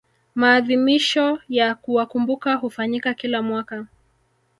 maadhimisho ya kuwakumbuka hufanyika kila mwaka